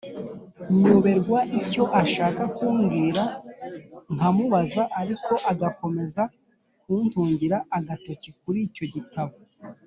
nyoberwa icyo ashaka kumbwira nkamubaza ariko agakomeza kuntungira agatoki kuricyo gitabo,